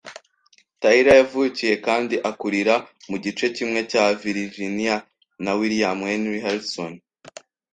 Tyler yavukiye kandi akurira mu gice kimwe cya Virijiniya na William Henry Harrison